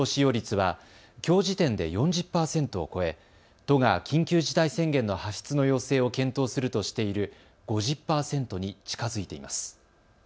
また、都内の病床使用率はきょう時点で４０％を超え都が緊急事態宣言の発出の要請を検討するとしている５０％に近づいています。